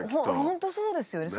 本当そうですよね。